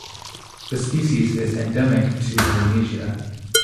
The species is endemic to Indonesia.